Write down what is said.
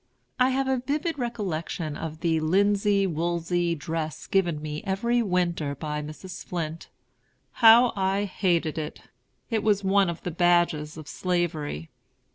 I have a vivid recollection of the linsey woolsey dress given me every winter by Mrs. Flint. How I hated it! It was one of the badges of Slavery.